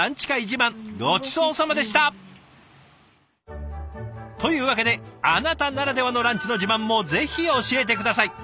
自慢ごちそうさまでした！というわけであなたならではのランチの自慢もぜひ教えて下さい！